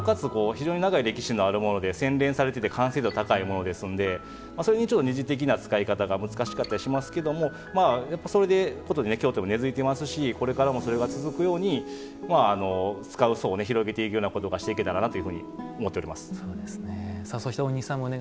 非常に歴史のあるもので洗練されていて完成度高いものですのでそれに二次的な使い方が難しかったりしますけどそういうことで京都に根づいていますしこれからもそれが続くように使う層を広げていくようなことしていけたらなと思っております。